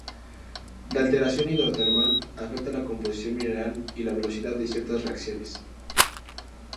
La alteración hidrotermal afecta la composición mineral y la velocidad de ciertas reacciones.